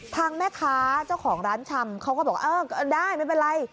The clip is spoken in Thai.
ทางแม่ค้าเจ้าของร้านชำเขาก็บอกเออก็ได้ไม่เป็นไร